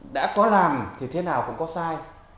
đã có làm thì thế nào cũng có sai